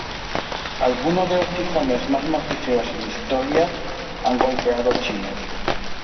Algunos de los tifones más mortíferos en historia han golpeado China.